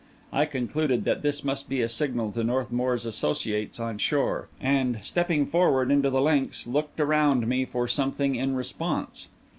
I concluded that this must be a signal to Northmour's associates on shore; and, stepping forth into the links, looked around me for something in response.